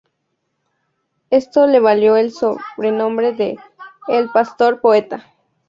Esto le valió el sobrenombre de "El pastor poeta".